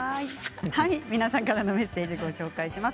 皆さんからのメッセージを紹介します。